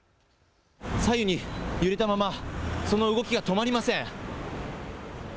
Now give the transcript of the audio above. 左右に揺れたままその動きが止まりません。